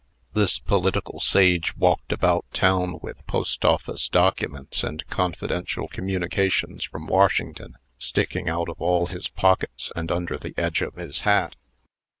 This political sage walked about town with Post Office documents and confidential communications from Washington sticking out of all his pockets, and under the edge of his hat.